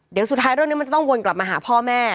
เดี๋ยวสุดท้ายเรื่องนี้มันจะต้องวนกลับมาหาพ่อแม่